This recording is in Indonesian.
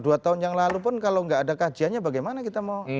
dua tahun yang lalu pun kalau nggak ada kajiannya bagaimana kita mau